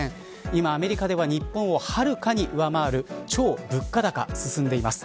今アメリカでは日本をはるかに上回る超物価高、進んでいます。